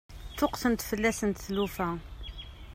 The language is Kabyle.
Ṭṭuqqtent fell-asent tlufa.